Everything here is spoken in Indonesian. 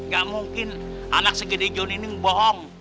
gak mungkin anak segede john ini bohong